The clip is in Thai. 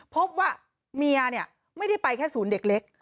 พบว่าเมียไม่ได้ไปแค่ศูนย์เด็กเล็ก